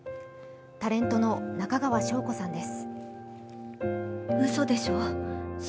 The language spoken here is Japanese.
タレントの中川翔子さんです。